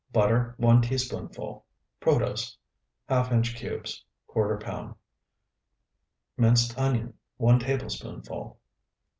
Butter, 1 teaspoonful. Protose, ½ inch cubes, ¼ pound. Minced onion, 1 tablespoonful.